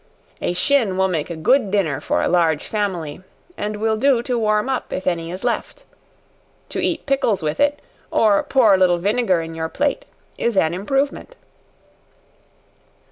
A shin will make a good dinner for a large family, and will do to warm up, if any is left. To eat pickles with it, or pour a little vinegar in your plate, is an improvement.